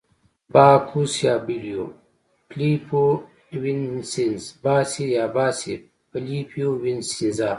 باکوس یا بل یو، فلیپو وینسینزا، باسي یا باسي فلیپو وینسینزا.